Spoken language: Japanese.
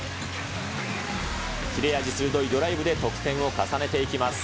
切れ味鋭いドライブで、得点を重ねていきます。